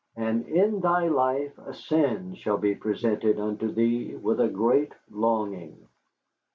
And in thy life a sin shall be presented unto thee with a great longing.